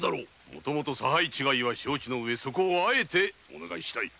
もとより差配違いは承知の上そこをあえてお願いしたい。